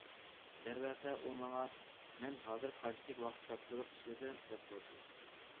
دەرۋەقە ئۇ ماڭا:‹‹ مەن ھازىر قانچىلىك ۋاقىت تاپشۇرۇق ئىشلىدىم؟›› دەپ سورىدى.